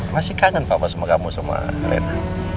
masih kangen pak sama kamu sama rena